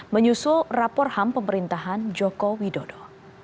menyusul rapor ham pemerintahan joko widodo